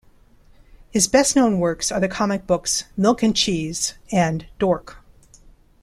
His best known works are the comic books "Milk and Cheese" and "Dork".